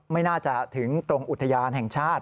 ไม่น่าจะถึงตรงอุทยานแห่งชาติ